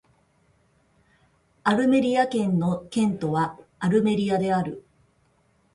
アルメリア県の県都はアルメリアである